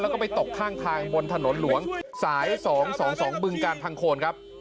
แล้วก็ไปตกข้างทางบนถนนหลวงสาย๒๒บึงการพังโคนครับ